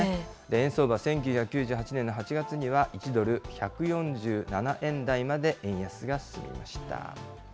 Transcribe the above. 円相場、１９９８年の８月には１ドル１４７円台まで円安が進みました。